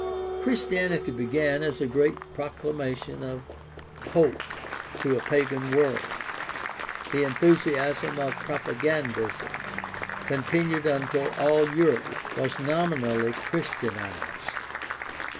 — Christianity began as a great proclamation of hop'e to a pagan world. The enthusiasm of propagandism continued until all Europe was nominally Christianized.